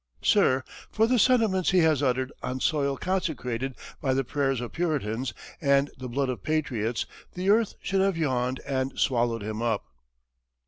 Sir, for the sentiments he has uttered on soil consecrated by the prayers of Puritans and the blood of patriots, the earth should have yawned and swallowed him up."